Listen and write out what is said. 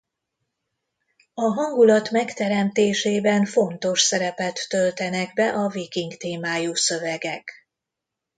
A hangulat megteremtésében fontos szerepet töltenek be a viking témájú szövegek.